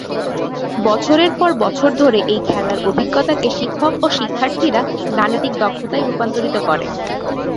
বছরের পর বছর ধরে এই খেলার অভিজ্ঞতাকে শিক্ষক ও শিক্ষার্থীরা গাণিতিক দক্ষতায় রূপান্তরিত করে।